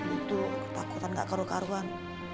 gak butuh takut gak keruk keruan